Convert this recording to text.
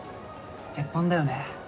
鉄板だよね。